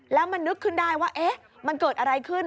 แล้วมันนึกขึ้นได้ว่ามันเกิดอะไรขึ้น